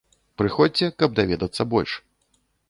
Прыходзьце, каб даведацца больш!